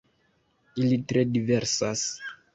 Ili tre diversas.